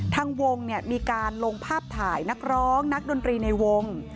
ทางวงมีการลงภาพถ่ายนักร้องนักดนตรีในวง